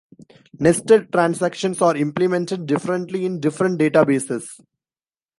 Nested transactions are implemented differently in different databases.